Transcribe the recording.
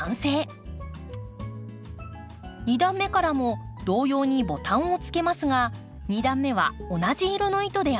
２段目からも同様にボタンをつけますが２段目は同じ色の糸で編み込みます。